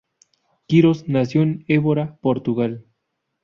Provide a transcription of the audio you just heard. Quirós nació en Évora, Portugal.